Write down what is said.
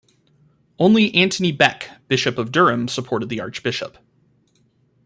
Only Antony Bek, Bishop of Durham supported the archbishop.